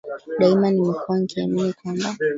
Daima nimekua nikiamini kwamba